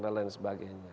dan lain sebagainya